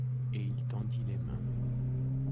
Et il tendit les mains.